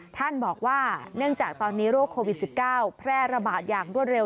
ท่านบอกว่าเนื่องจากตอนนี้โรคโควิด๑๙แพร่ระบาดอย่างรวดเร็ว